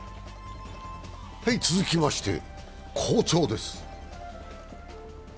続きまして、好調です。